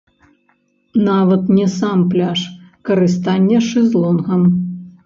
Нават не сам пляж, карыстанне шэзлонгам.